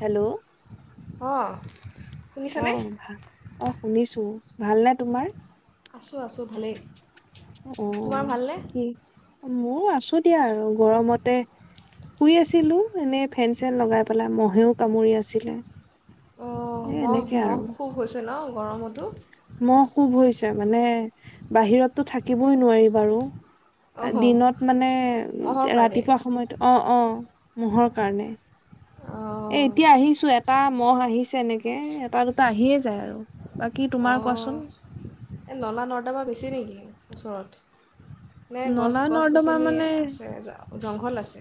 Hello অ'। অ', ভা অ', শুনিছো। ভাল নে তোমাৰ? আছোঁ, আছোঁ ভালেই। তোমাৰ অ', ভালনে কি মউ আছো দিয়া আৰু গৰমতে শুই আছিলো, এনে ফেন, চেন লগাই পেলাই মহেও কামুৰি আছিলে। অ', এ মহ, এনেকে মহ আৰু খুব হৈছে ন? গৰমতো মহ খুব হৈছে মানে বাহিৰতটো থাকিবই নোৱাৰি বাৰু অঁ দিনত মানে মহৰ কাৰণে ৰাতিপুৱা সময়ত অ', অ'। মহৰ কাৰণে। এ অঁ এতিয়া আহিছো, এটা মহ আহিছ তেনেকে এটা দুটা আহিয়ে যায় আৰু। বাকী তোমাৰ কোৱাচোন অ', এই নলা-নৰ্দমা বেছি নেকি? ওচৰত। নে গছ নলা নৰ্দমা গছ-গছনি মানে আছে, জংঘল আছে?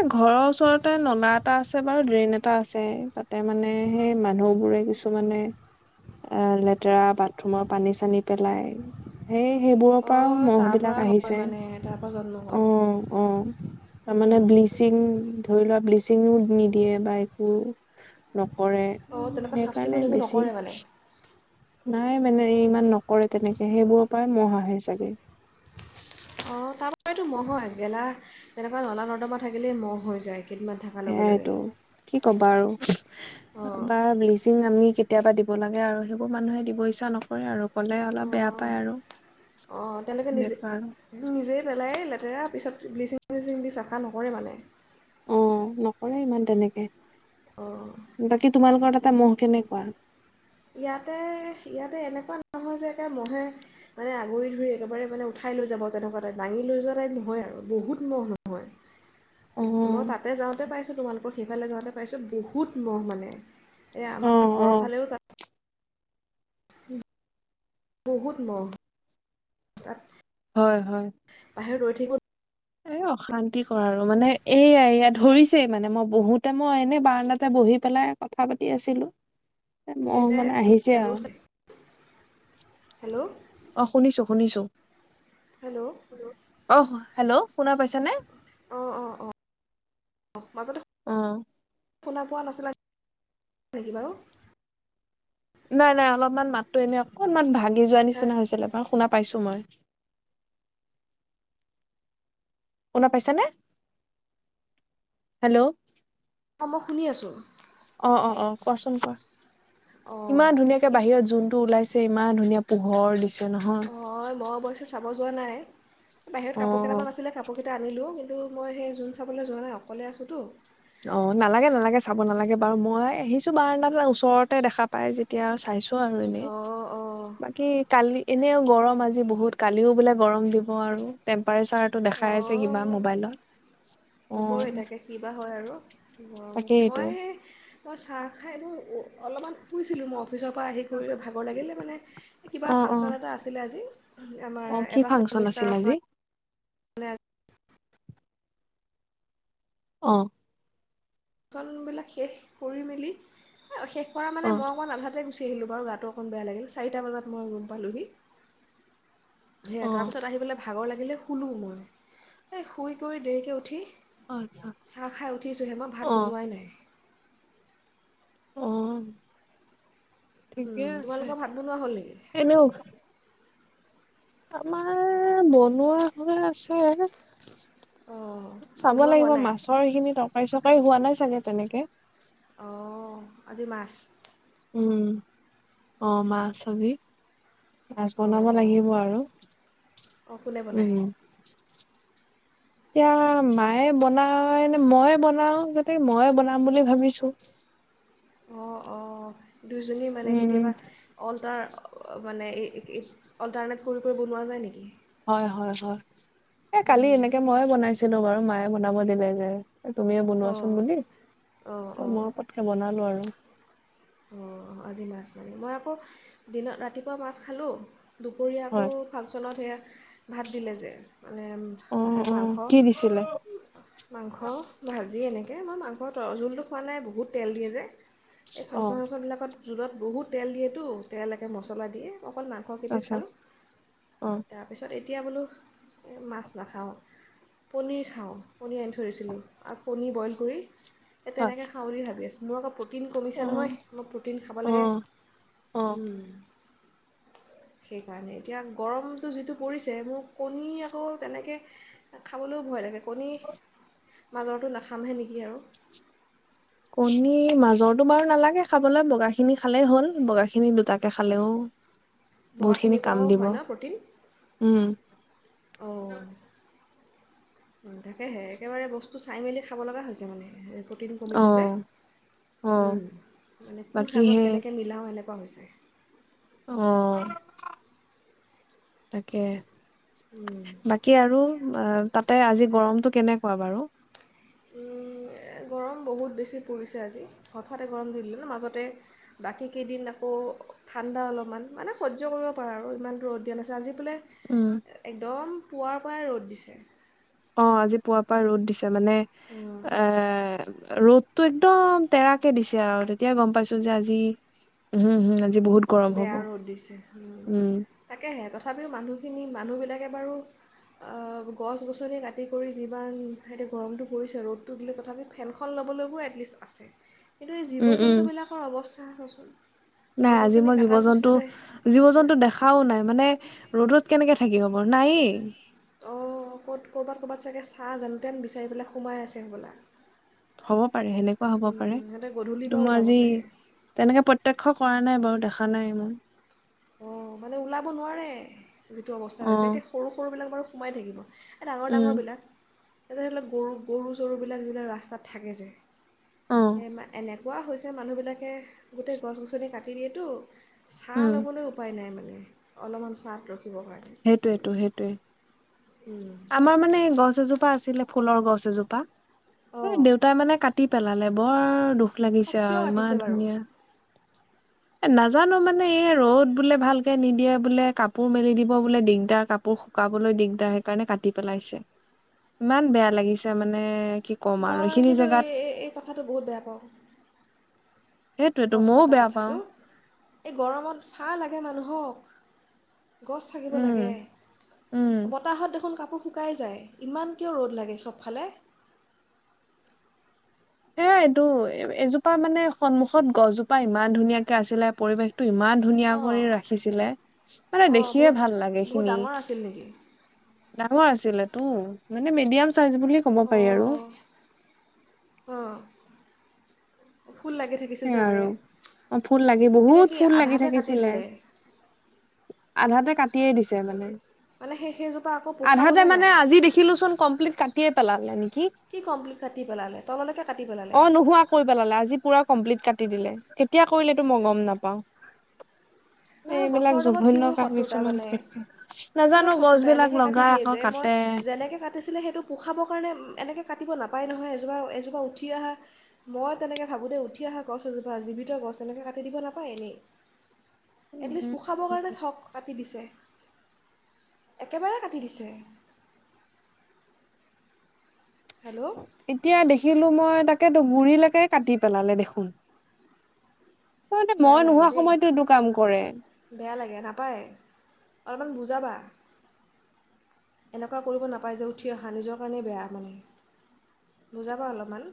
এ ঘৰৰ ওচৰতে নলা এটা আছে বাৰু ড্ৰেইন এটা আছে, তাতে মানে সেই মানুহ বোৰে কিছুমানে লেতেৰা বাথৰুমৰ পানী চানী পেলাই হে সেইবোৰৰ পৰাওঁ অঁ মহ তাৰপৰা বিলাক হয় আহিছে, মানে তাৰপৰা জন্ম হয় অ', অ', তাৰমানে উম। ব্লিচিঙ ধৰি লোৱা ব্লিচিঙ নিদিয়ে বা একো ন কৰে অঁ তেনেকুৱা চাফ চিকুণ সেইকাৰণে একো বেছি। নকৰে মানে নাই মানে ইমান নকৰে তেনেকে, সেইবোৰৰ পৰাই মহ আহে চাগে। অ', তাৰবাবে তো মহ হয় গেলা তেনেকুৱা নলা-নৰ্দমা থাকিলেই মহ হৈ যায়। কেইদিনমান থকাৰ লগে লগে সেয়াইটো কি ক'বা আৰু অঁ বা ব্লিচিং আমি কে কেতিয়াবা দিব লাগে আৰু সেইবোৰ মানুহে দিব ইচ্ছা নকৰে আৰু। ক'লে অলপ বেয়া অঁ পায় আৰু অঁ তেওঁলোকে সেনেকুৱা আৰু। সেয়া পিছত ব্লিচিং চিচিং দি চাফা নকৰে মানে। অ', নকৰে ইমান তেনেকে। অঁ বাকী তোমালোকৰ তাত তাত মহ কেনেকুৱা? ইয়াতে, ইয়াতে এনেকুৱা নহয় যে একে মহে মানে আগুৰি ধৰি একেবাৰে মানে উঠাই লৈ যাব তেনেকুৱা টাইপ, দাঙি লৈ যোৱা টাইপ নহয় আৰু বহুত মহ নহয়। অ মই তাতে যাওঁতে পাইছোঁ তোমালোকৰ সেইফালে যাওঁতে পাইছোঁ বহুত মহ মানে, এ অ আমাৰ অ ঘৰৰ ফালেও ত বহুত মহ ইয়াত, হয় হয়! এই বোৰ এ অশান্তিকৰ আৰু মানে, এইয়া এয়া ধৰিছেই মানে মই বহোতে মই এনে বাৰাণ্ডা তে বহি পেলাই কথা পাতি আছিলো। এই মহ যে মানে আহিছে আৰু। ৰস্তা হেল্ল' অ' শুনিছো শুনিছো হেল্ল' অ' হেল্ল' শুনা পাইছানে? অ' মাজত আ শুনা পোৱা নাছিলা নেকি বাৰু নাই নাই অলপমান মাততো এনে অকনমান ভাঙি যোৱা হে নিচিনা হৈছিলে বাৰু শুনা পাইছোঁ মই। শুনা পাইছানে? হেল্ল' অ' মই শুনি আছো। অ' অ' অ' কোৱাচোন কোৱা অঁ ইমান ধুনীয়াকে এই বাহিৰত জোনটো ওলাইছে। ইমান ধুনীয়া পোহৰ দিছে। নহয় অ' মই অৱশ্যে চাব যোৱা নাই। বাহিৰত কাপোৰ অ', কেইটামান আছিলে, কাপোৰ কে তে আনিলো। কিন্তু মই সেই জোন চাবলৈ যোৱা নাই অকলে আছোতো। অ' নালাগে নালাগে চাব নালাগে বাৰু মই আহিছো বাৰাণ্ডা ত ওচৰতে দেখা পাই যেতিয়া আৰু চাইছো। আৰু এনেই অঁ অঁ বাকী কালি এনেও গৰম আজি বহুত কালিও বোলে গৰম দিব আৰু তেম পাই চাৰ্টত দেখাই আছে কিবা অঁ মবাইলত। হবই তাকে কিবা হয় আৰু। তাকেইটো মই মই চাহ খাইনো অলপমান শুইছিলোঁ মই। অফিচৰ পৰা আহি কৰিলো ভাগৰ লাগিলে মানে কিবা অ', অ', ফাংচন এটা আছিলে আজি। আমাৰ অ', কি এটা ফাংচন আছিল চেমিষ্টাৰৰ আজি ম নে অহ'। কাম বিলাক শেষ কৰি মেলি অ শেষ কৰা মানে অ', মই অকণ আন্ধাতে গুছ উঠি আহিলোঁ বাৰু গাটো অকণ বেয়া লাগিল চাৰিটা বজাত মই ৰুম পালোঁহি। সেয়া তাৰ অ', পিছত আহি পেলাই ভাগৰ লাগিলে শুলোঁ মই এই শুই কৰি দেৰিকৈ উঠি আচ্ছা চাহ খাই উঠিছোঁহে মই ভাত অ', বনোৱাই নাই। অহ। ঠিকেই আছে তোমালোকৰ ভাত বনোৱা হ'ল নেকি এনোউঠ আমাৰ বনোৱা হৈ আছে। অঁ চাব বনোৱা হোৱা লাগিব নাই মাছৰ এইখিনি ত কাৰী চৰকাৰী হোৱা নাই চাগে তেনেকে? অঁ আজি মাছ উম অ মাছ আজি। মাছ বনাব অঁ অঁ লাগিব আৰু অঁ কোনে বনায় উম। এতিয়া মায়ে বনাইনে মইে বনাও যতে মইে বনাম বুলি ভাবিছো। অ', অ'। দুইোজনী মানে উম কেতিয়াবা অলটাৰ মানে এই অল্টাৰনেট কৰি, কৰি বনোৱা যায় নেকি? হয়, হয়, হয়। এ' কালি উম, এনেকে মইয়ে বনাইছিলো বাৰু। মায়ে বনাব দিলে যে। এ তুমিয়ে বনোৱাচোন অঁ বুলি অঁ ত অঁ মই পতকে বনালো আৰু। অঁ আজি মাছ মাৰি মই আকৌ দিনত ৰাতিপুৱা মাছ খালোঁ। দুপৰীয়া আকৌ হয় ফাংচনত সেয়া। ভাত দিলে যে। মানে অ সেই অ মাংস, কি দিছিলে মাংস ভাজি এনেকে। এ মই মাংসৰ জোলটো খোৱা নাই বহুত তেল দিয়ে যে। অ ফাংচন চাংচনবিলাকত জোলত বহুত তেল দিয়েতো তেল একে মছলা দিয়ে। অকল মাংস কেইপিচ আচ্ছা খালো অ তাৰপিছত এতিয়া বোলো এই মাছ নাখাওঁ পনিৰ খাওঁ পনিৰ আনি থৈ দিছিলো আৰু পনীৰ বইল কৰি এ হয় তেনেকে খাওঁ ভাবি আছিলোঁ। [unintelligible] প্ৰটিন [unintelligible] নহয় মই প্ৰটিন খাব অ অ লাগে অ সেইকাৰণে এতিয়া গৰমটো যিটো পৰিছে মোৰ কণী আকৌ তেনেকে খাবলৈও ভয় লাগে। কণীৰ, মাজৰটো নাখামহে নিকি আৰু কণীৰ মাজৰতটো বাৰু নালাগে খাবলৈ বগা খিনি খালেই হ'ল বগা খিনি দুটাকে খালেও, বহুত খিনি বগাখিনিৰ কাম পৰাও দিব হয় ন প্ৰটিন উম অ' তাকেহে একেবাৰে বস্তু চাই মেলি খাব লগা হৈছে মানে, প্ৰটিন অ কমিছে যে অ উম মানে কোন বাকী সাজত সেই কেনেকে মিলাও, [unintelligible] অ' তাকে, উম, বাকী আৰু অ' তাতে আজি গৰমতটো কেনেকুৱা বাৰু উম গৰম বহুত বেছি পৰিছে আজি হঠাতে গৰম দি দিলে ন মাজতে বাকী কেইদিন আকৌ ঠাণ্ডা অলপমান মানে সহ্য কৰিব পৰা আৰু ইমানটো ৰ'দ দিয়া নাছিলে আজি এইফালে, উম একদম পুৱাৰ পৰাই ৰ'দ দিছে। অ' আজি পুৱা পৰাই ৰ'দ দিছে। ত মানে উম, এ ৰ'দতটো একদম তেৰাকে দিছে আৰু তেতিয়াই গম পাইছো যে আজি [unintelligible] হ'ব বেয়া ৰ'দ দিছে উম তাকেহে তথাপিও মানুহখিনি মানুহ বিলাকে বাৰু গছ-গছনি কাটি কৰি যিমান [unintelligible] গৰমটো পৰিছে ৰ'দটো দিলে তথাপি ফেনখন ল'বলৈয়ো এটলিষ্ট আছে কিন্তু এই জীৱ উম উম জন্তু বিলাকৰ অৱস্থা। চোৱাচোন, নাই আজি মই জীৱ জীৱ-জন্তু হা জীৱ-জন্তু দেখাও নাই মানে, ৰ'দত কেনেকে থাকিব বাৰু নাইয়ে, অ' ক'ত ক'ৰবাত ক'ৰবাত চাগে ছাঁ যেনতেন বিচাৰি পেলাই সোমাই আছে হ'বলা হব পাৰে সেনেকুৱা হব উম, পাৰে সিহঁতে গধূলিৰ পৰা ত মই ওলাব আজি চাগে তেনেকে প্ৰত্যক্ষ কৰা নাই বাৰু দে দেখা নাই মই অ' মানে ওলাব নোৱাৰে, যিটো অৱস্থা অ হৈছে, এতিয়া সৰু সৰুবিলাক বাৰু সোমাই থাকিব, ডাঙৰ-ডাঙৰ উম বিলাক [unintelligible] গৰু-গৰু চৰুবিলাক যিবিলাক ৰাস্তাত থাকে যে, অ এমা এনেক, কোৱা হৈছে, মানুহবিলাকে গোটেই গছ-গছনি কাট তিৰিয়েতো উম চালম উপায় নাই মানে অলপমান চাহত ৰ সেইটোয়েতো সেইটোৱে, আমাৰ মানে গছ এজোপা আছিলে। ফুলৰ গছ এজোপা অঁ এই দেউতাই মানে কাটি পেলালে, বৰ দুখ [unintelligible] অঁ লাগিছে কিয় আৰু কাটিছে ইমান বাৰু ধুনীয়া এ নাজানো মানে এই ৰ'দ বোলে ভালকে নিদিয়ে বোলে, কাপোৰ মেলি দিব বোলে ডিগদাৰ, কাপোৰ শুকাবলৈ ডিগদাৰ হে কাৰণে কাটি পেলাইছে ইমান বেয়া লাগিছে, মানে কি ক'ম আৰু মই এইখিনি কিন্তু, জেগাত এই-এই কথাটো বহুত বেয়া পাওঁ। সেইটোয়টো গছ মইও কটা বেয়া পাওঁ। কথাটো এই গৰমত ছাহ লাগে মানুহক গছ থাকিব লাগে, উম উম বতাহত দেখোন কপ কাপোৰ শুকাই যায়, ইমান কিয় ৰ'দ লাগে চবফালে হে, এইটো এজোপা মানে সন্মুখত গছজোপা ইমান ধুনীয়াকে আছিলে, পৰিৱেশ ইমান ধুনীয়া অঁ কৰি ৰাখিছিলে মানে অঁ দেখিয়ে বহুত ভাল লাগে বহুত খিনি ডাঙৰ আছিল নেকি ডাঙৰ আছিলে, উম মানে মিডিয়াম [unintelligible] বুলিয় ক'ব অঁ পাৰি আৰু অঁ অঁ ফুল লাগি থাকিছিল [unintelligible] চাগে আৰু অ ফুল লাগি এতিয়া বহুত কি ফুল লাগি আধাতে কাটি থাকিছিলে। দিলে আধাতে কাটিয়ে দিছে মানে, মানে সেই সেইজোপা আকৌ আধাতে পোখাবনে মানে, নাই আজি দেখিলো চোন কমপ্লিট কাট তিয়ে পেলালেনি কি কমপ্লিট কাটি পেলালে তললৈকে কাটি পেলালে? কম্প্লেট কাটি দিলে, কেতিয়া কৰিলে মই গম নাপাওঁ। নহয় গছৰ লগত কিহৰ শত্ৰুতা কিছুমান মানে কৰিছে কিহৰ নাজানো গছ শত্ৰুতা বিলাক এনেকৈ কাটি লগাই দিয়ে আকৌ যে মই কাটে যেনেকৈ কাটিছিলে সেইটো পোখাবৰ কাৰণে এনেকৈ কাটিব নাপায় নহয় এজোপা এজোপা উঠি অহা মই তেনেকৈ ভাবোঁ দ উঠি অহা গছ এজোপা জীৱিত গছ তেনেকৈ কাটি দিব নাপায় এনেই এটলিষ্ট পোখাবৰ কাৰণে ঠগ কাটি দিছে। একেবাৰে কাটি দিছে। হেল্ল' এতিয়া দেখিলো মই তাক গুৰিলৈকে কাটি পেলালে দেখোন। তাৰমানে বেয়া মই লাগে নোহোৱা দেই সময়তো এইটো কাম কৰে বেয়া লাগে নাপায় অলপমান বুজ যাবা এনেকুৱা কৰিব নাপায় যে উঠি অহা নিজৰ কাৰণেই বেয়া মানে বুজাবা অলপমান।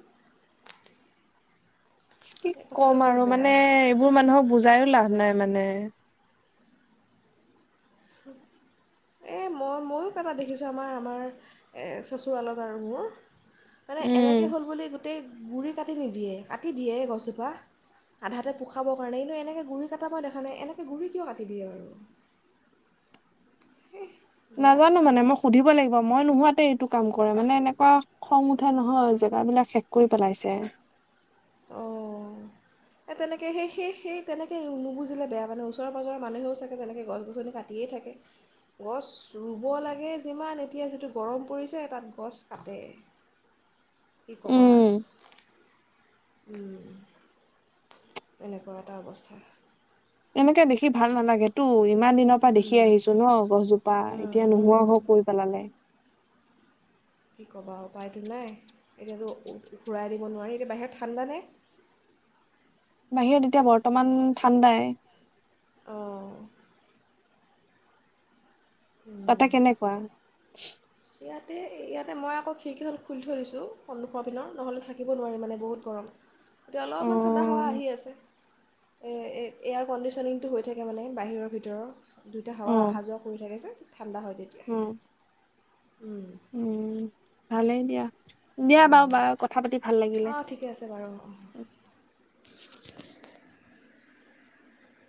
কি এই কথাটো ক'ম বহুত আৰু মানে বেয়া এইবোৰ মানুহক বুজাইও লাভ নাই। মানে, এই মই ময়ো কাবাক দেখিছোঁ, আমাৰ আমাৰ চচুৰালত আৰু মোৰ। মানে এনেকে হ'ল বুলি গোটেই গুড়ি কাটি নিদিয়ে কাটি দিয়ে এই গছজোপা আধাতে পোখাবৰ কাৰণে কিন্তু এনেকৈ গুড়ি কটা মই দেখা নাই এনেকৈ গুড়ি কিয় কাটি দিয়ে বাৰু উম। নাজানো মানে মই সুধিব লাগিব মই নোহোৱাতেই এইটো। কাম কৰে মানে এনেকুৱা খং উঠে নহয় জেগা বিলাক শেষ কৰি পেলাইছে। অ'। এ তেনেকে সেই সে সেই তেনেকে নুবুজিলে বেয়া মানে, ওচৰে পাজৰে মানুহেও চাগে তেনেকৈ গছ-গছনি কাটিয়েই থাকে। গছ ৰুব লাগে যিমান এতিয়া যিটো গৰম পৰিছে। তাত গছ কাটে, কি ক'ব উম আৰু! উম। এনেকুৱা এটা অৱস্থা এনেকে দেখি ভাল নালাগেতো, ইমান দিনৰ পৰা দেখি উম, আহিছো ন, গছজোপা উম, এতিয়া নোহোৱা উম। হোৱা কৰি পেলালে। কি ক'বা! উপায়টো নাই এতিয়াতো ঘূৰাই দিব নোৱাৰি এতিয়া বাহিৰত ঠাণ্ডা নাই। বাহিৰত এতিয়া বৰ্তমান ঠাণ্ডাই। অঁ। তাতে উম। কেনেকুৱা? [unintelligible] ইয়াতে ইয়াতে মই আকৌ খিৰিকীখন খুলি থৈ দিছোঁ, সন্মুখৰ পিনৰ নহ'লে থাকিব নোৱাৰি মানে বহুত গৰম। এতিয়া অ অলপমান ঠাণ্ডা হাৱা আহি আছে। এয়াৰ কণ্ডিচনিংটো হৈ থাকে মানে বাহিৰৰ ভিতৰৰ দুইটা অ হোৱা অহা যোৱা কৰি থাকে যে - - ঠাণ্ডা হয় তেতিয়া, উম উম, উম ভালেই দিয়া, দিয়া উম। বাৰু বাৰ কথা পাতি ভাল লাগিলে, অঁ ঠিকে আছে বাৰু অঁ